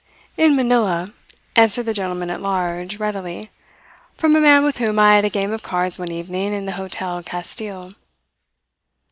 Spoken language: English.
"In Manila," answered the gentleman at large, readily. "From a man with whom I had a game of cards one evening in the Hotel Castille."